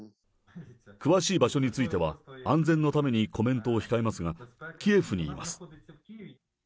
詳しい場所については、安全のためにコメントを控えますが、キエフにいます。